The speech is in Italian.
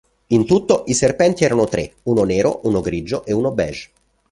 In tutto i serpenti erano tre, uno nero, uno grigio e uno beige.